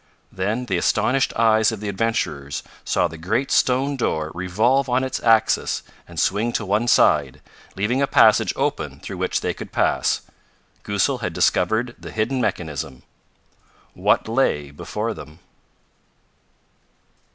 Then the astonished eyes of the adventurers saw the great stone door revolve on its axis and swing to one side, leaving a passage open through which they could pass. Goosal had discovered the hidden mechanism. What lay before them?